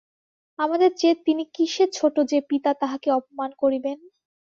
আমাদের চেয়ে তিনি কিসে ছোটো যে, পিতা তাঁহাকে অপমান করিবেন?